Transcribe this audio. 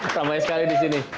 sama sekali di sini